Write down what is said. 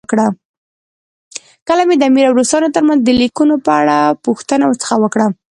کله مې د امیر او روسانو ترمنځ د لیکونو په اړه پوښتنه ورڅخه وکړه.